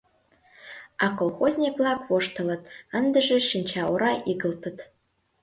А колхозник-влак воштылыт, ындыже шинчаора игылтыт.